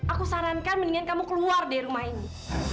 aku sarankan mendingan kamu keluar dari rumah ini